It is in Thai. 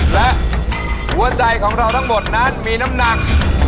และหัวใจของเราทั้งหมดนั้นมีน้ำหนัก